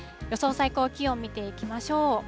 最高気温見ていきましょう。